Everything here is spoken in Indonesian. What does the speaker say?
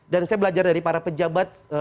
dan saya belajar dari para pejabat